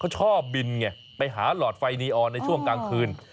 เขาชอบบินไงไปหาหลอดไฟนีออนในช่วงกลางคืน